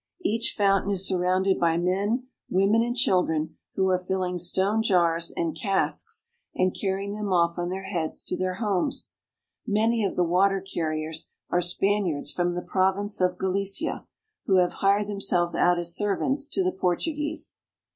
Each fountain is surrounded by men, women, and children who are filling stone jars and casks and carrying them off on their heads to their homes. Many of the water carriers are Spaniards from the province of Galicia, who have hired themselves out as servants to the Portuguese.